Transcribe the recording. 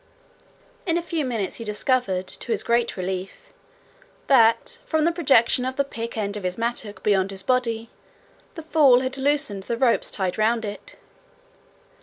In a few minutes he discovered, to his great relief, that, from the projection of the pick end of his mattock beyond his body, the fall had loosened the ropes tied round it.